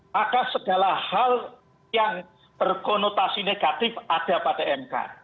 maka segala hal yang berkonotasi negatif ada pada mk